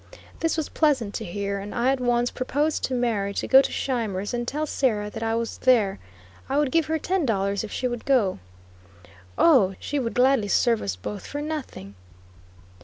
This was pleasant to hear, and I at once proposed to Mary to go to Scheimer's and tell Sarah that I was there; I would give her ten dollars if she would go. "O! she would gladly serve us both for nothing."